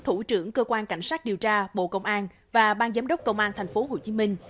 thủ trưởng cơ quan cảnh sát điều tra bộ công an và ban giám đốc công an thành phố hồ chí minh